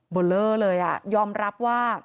โบลเลอร์เลยอ่ะยอมรับว่า